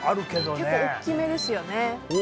結構、大きめですよね。